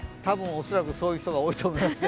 恐らくそういう人が多いと思いますね。